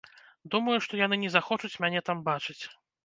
Думаю, што яны не захочуць мяне там бачыць.